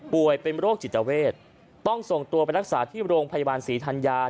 เป็นโรคจิตเวทต้องส่งตัวไปรักษาที่โรงพยาบาลศรีธัญญา